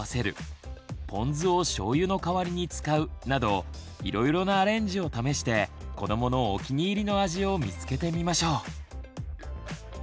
ポン酢をしょうゆの代わりに使うなどいろいろなアレンジを試して子どものお気に入りの味を見つけてみましょう。